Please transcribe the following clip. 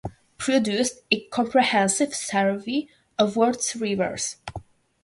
Produced a comprehensive survey of the worlds rivers.